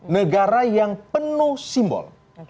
negara yang penuh simbol